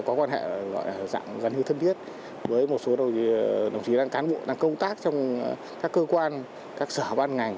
có quan hệ gần như thân thiết với một số đồng chí làm cán bộ đang công tác trong các cơ quan các sở ban ngành